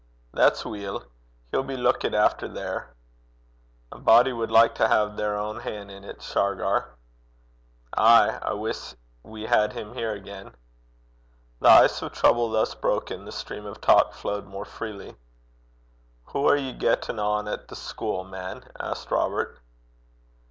'That's weel. He'll be luikit efter there.' 'A body wad like to hae their ain han' in 't, Shargar.' 'Ay. I wiss we had him here again.' The ice of trouble thus broken, the stream of talk flowed more freely. 'Hoo are ye gettin' on at the schule, man?' asked Robert.